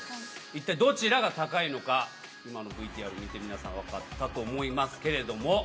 一体どちらが高いのか、今のＶＴＲ見て、皆さん、分かったと思いますけれども。